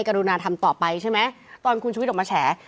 ให้กรุณาธรรมต่อไปใช่ไหมตอนคุณชุวิตออกมาแชร์